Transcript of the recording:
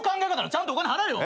ちゃんとお金払えよ。